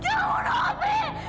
jangan bunuh opi